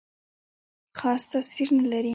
خاص تاثیر نه لري.